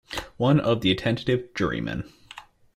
One of the attentive jurymen.